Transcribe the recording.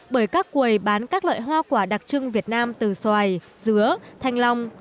bởi các quầy bán các loại hoa quả đặc trưng việt nam từ xoài dứa thanh long